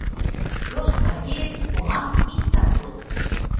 Ош гвардеец, комак — иктак улыт.